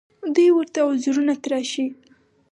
دوی ورته عذرونه تراشي